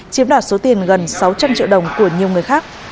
chiếm đoạt số tiền gần sáu trăm linh triệu đồng của nhiều người khác